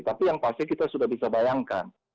tapi yang pasti kita sudah bisa bayangkan